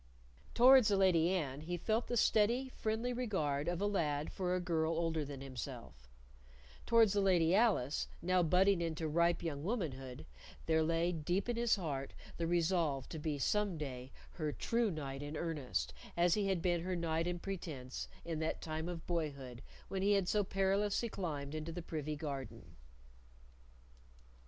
Towards the Lady Anne he felt the steady friendly regard of a lad for a girl older than himself; towards the Lady Alice, now budding into ripe young womanhood, there lay deep in his heart the resolve to be some day her true knight in earnest as he had been her knight in pretence in that time of boyhood when he had so perilously climbed into the privy garden.